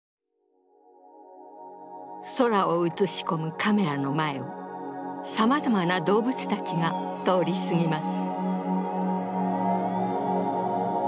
空を写し込むカメラの前をさまざまな動物たちが通り過ぎます。